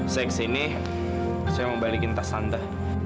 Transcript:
saya ke sini saya mau balikin tas tante